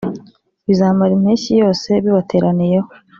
bizamara impeshyi yose bibateraniyeho